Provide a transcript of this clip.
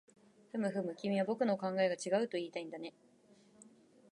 ふむふむ、君は僕の考えが違うといいたいんだね